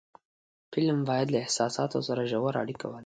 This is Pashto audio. فلم باید له احساساتو سره ژور اړیکه ولري